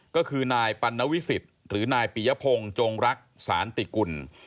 ก็คือนายปัณวิสิตหรือนายปียพงศ์จงรักสานติกุล